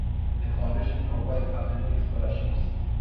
The foundation provides athletic scholarships.